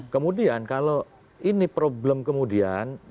kemudian kalau ini problem kemudian